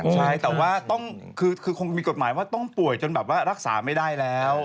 ใช่แต่ว่าคือคงมีกฎหมายว่าต้องป่วยจนแบบว่ารักษาไม่ได้แล้ว